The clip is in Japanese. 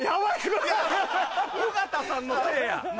尾形さんのせいや！